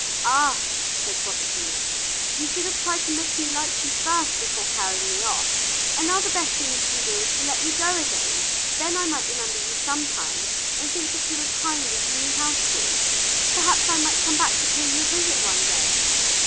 "Ah," said Proserpina, "you should have tried to make me like you first before carrying me off, and now the best thing you can do is to let me go again; then I might remember you sometimes and think that you were as kind as you knew how to be. Perhaps I might come back to pay you a visit one day."